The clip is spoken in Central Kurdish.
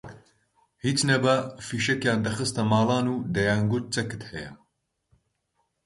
هیچ نەبا فیشەکیان دەخستە ماڵان و دەیانگوت چەکت هەیە